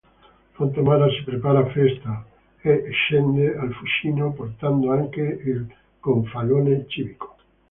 Fontamara si prepara a festa, e scende al Fucino, portando anche il gonfalone civico.